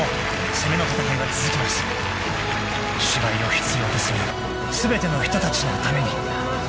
［芝居を必要とする全ての人たちのために］